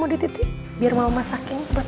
mau dititik biar mama sakit